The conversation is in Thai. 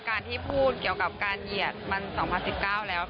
การที่พูดเกี่ยวกับการเหยียดมัน๒๐๑๙แล้ว